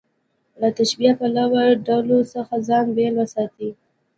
له تشبیه پالو ډلو څخه ځان بېل وساتي.